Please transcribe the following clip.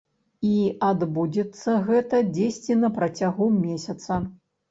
І адбудзецца гэта дзесьці на працягу месяца.